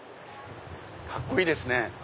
カッコいいですね！